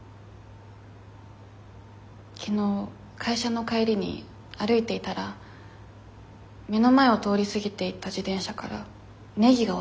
昨日会社の帰りに歩いていたら目の前を通り過ぎていった自転車からネギが落ちて。